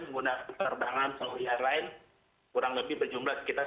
menggunakan perdagangan seluruh airline kurang lebih berjumlah sekitar tiga ratus enam puluh